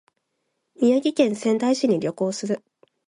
宮城県仙台市に旅行する